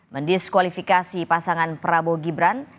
mendiskualifikasi pasangan prabowo gibran